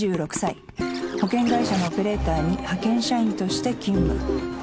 保険会社のオペレーターに派遣社員として勤務」